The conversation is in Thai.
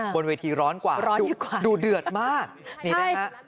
บนเวทีร้อนกว่าดูเดือดมากนี่นะฮะ